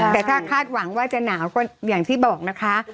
แต่ถ้าคาดหวังว่าจะหนาวก็อย่างที่บอกนะคะ